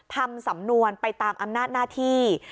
ทำสำนวนไปตามอำนาจหน้าที่